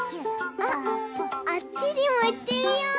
あっあっちにもいってみよう！